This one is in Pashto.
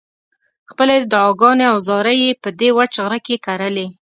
خپلې دعاګانې او زارۍ یې په دې وچ غره کې کرلې.